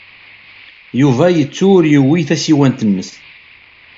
Yuba yettu ur yuwiy tasiwant-nnes.